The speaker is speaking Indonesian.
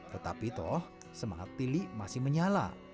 tetapi toh semangat tili masih menyala